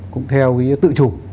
cũng theo cái tự chủ